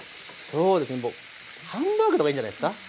そうですねハンバーグとかいいんじゃないですか。